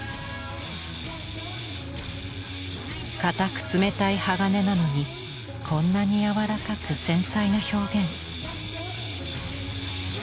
硬く冷たい鋼なのにこんなに柔らかく繊細な表現。